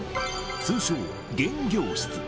通称、現業室。